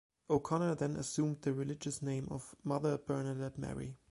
O'Connor then assumed the religious name of "Mother Bernadette Mary".